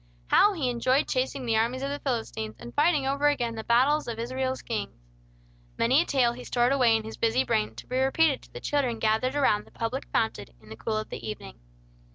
How he enjoyed chasing the armies of the Philistines, and fighting over again the battles of Israel's kings! Many a tale he stored away in his busy brain to be repeated to the children gathered around the public fountain in the cool of the evening.